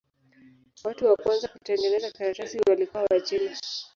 Watu wa kwanza kutengeneza karatasi walikuwa Wachina.